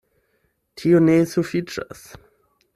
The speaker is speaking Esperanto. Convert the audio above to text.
Tio ne sufiĉas.